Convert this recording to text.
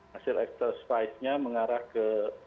hasil exercise nya mengarah ke